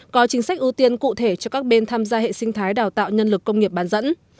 có chính sách ưu tiên cụ thể cho các bên tham gia hệ sinh thái đào tạo nhân lực công nghiệp bán dẫn